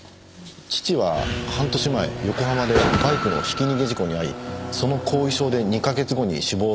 父は半年前横浜でバイクのひき逃げ事故に遭いその後遺症で２カ月後に死亡しています。